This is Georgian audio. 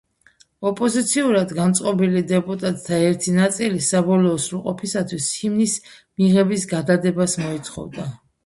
ოპოზიციურად განწყობილი დეპუტატთა ერთი ნაწილი საბოლოო სრულყოფისათვის ჰიმნის მიღების გადადებას მოითხოვდა.